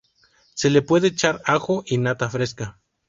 Se le puede echar ajo y nata fresca.